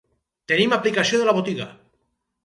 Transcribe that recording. Tenim aplicació de la botiga.